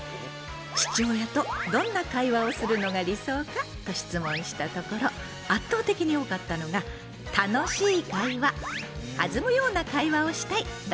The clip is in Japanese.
「父親とどんな会話をするのが理想か？」と質問したところ圧倒的に多かったのが「楽しい会話」「弾むような会話をしたい」だったのよ。